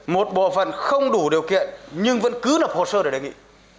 một bộ phận không đủ điều kiện nhưng vẫn cứ lập hồ sơ để đề nghị